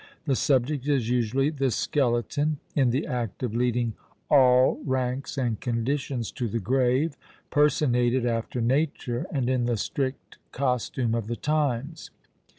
The subject is usually "The Skeleton" in the act of leading all ranks and conditions to the grave, personated after nature, and in the strict costume of the times.